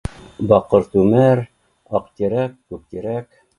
Баҡыр түмәр, аҡ-тирәк күк-тирәк